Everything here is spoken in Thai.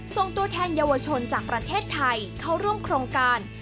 ส่งตัวแทนเยาวชนจากประเทศไทยเข้าร่วมโครงการ